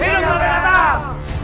hidup yang datang